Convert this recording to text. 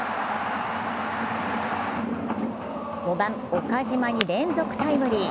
５番・岡島に連続タイムリー。